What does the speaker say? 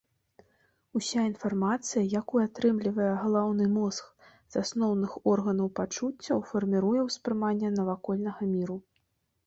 Уся інфармацыя, якую атрымлівае галаўны мозг з асноўных органаў пачуццяў фарміруе ўспрыманне навакольнага міру.